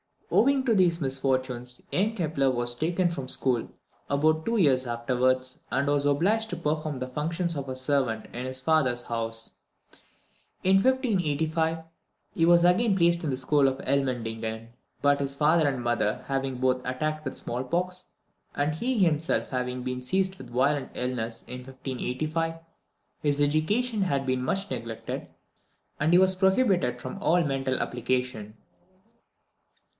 Owing to these misfortunes, young Kepler was taken from school about two years afterwards, and was obliged to perform the functions of a servant in his father's house. In 1585, he was again placed in the school of Elmendingen; but his father and mother having been both attacked with the smallpox, and he himself having been seized with a violent illness in 1585, his education had been much neglected, and he was prohibited from all mental application.